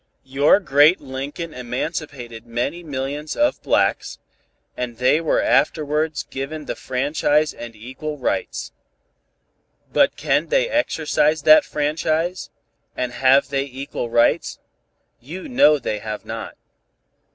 Your great Lincoln emancipated many millions of blacks, and they were afterwards given the franchise and equal rights. But can they exercise that franchise, and have they equal rights? You know they have not.